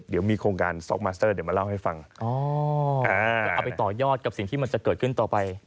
เอาไปต่อยอดกับสิ่งที่มันจะเกิดขึ้นต่อไป